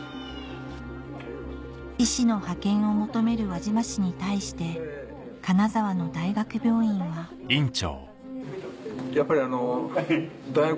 医師の派遣を求める輪島市に対して金沢の大学病院はやっぱりあの。